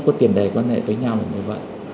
có tiền đầy quan hệ với nhau như vậy